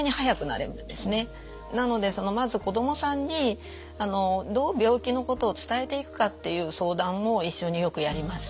なのでそのまず子どもさんにどう病気のことを伝えていくかっていう相談を一緒によくやります。